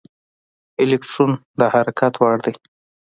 الکترون د حرکت وړ دی.